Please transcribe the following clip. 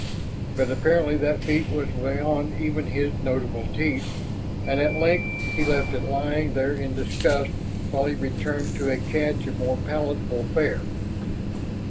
But apparently that feat was beyond even his notable teeth, and at length he left it lying there in disgust while he returned to a cache for more palatable fare.